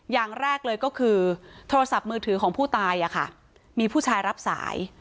อย่างแรกเลยก็คือโทรศัพท์มือถือของผู้ตายมีผู้ชายรับสาย